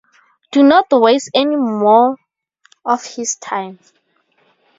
Do not waste any more of his time.